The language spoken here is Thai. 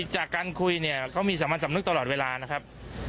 จากการคุยเนี่ยเขามีสามัญสำนึกตลอดเวลานะครับ